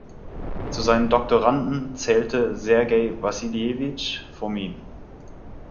Zu seinen Doktoranden zählte Sergei Wassiljewitsch Fomin.